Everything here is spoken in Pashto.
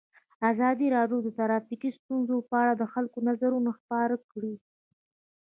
ازادي راډیو د ټرافیکي ستونزې په اړه د خلکو نظرونه خپاره کړي.